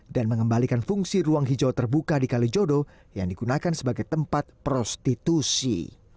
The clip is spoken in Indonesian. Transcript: mengembalikan fungsi ruang hijau terbuka di kalijodo yang digunakan sebagai tempat prostitusi